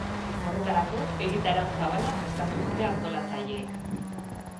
Horretarako, egitarau zabala prestatu dute antolatzaileek.